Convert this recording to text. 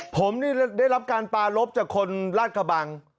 ผมได้รับการปารบลบจากคนราชกะบัง